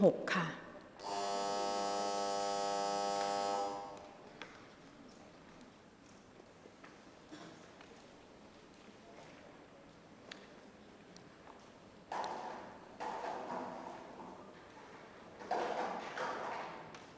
กรรมการท่านที่ห้าได้แก่กรรมการใหม่เลขเก้า